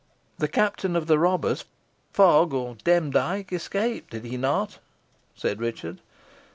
"The captain of the robbers, Fogg or Demdike, escaped did he not?" said Richard.